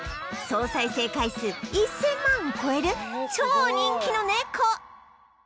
総再生回数１０００万を超える超人気のネコ！